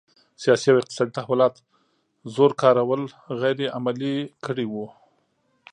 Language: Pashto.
سیاسي او اقتصادي تحولات زور کارول غیر عملي کړي وو.